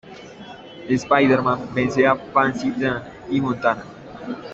Spider-Man vence a Fancy Dan y Montana.